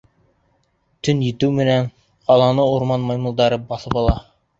Төн етеү менән, ҡаланы урман маймылдары баҫып ала.